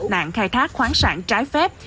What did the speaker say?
nạn khai thác khoáng sản trái phép